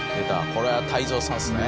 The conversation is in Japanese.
これは泰造さんですね。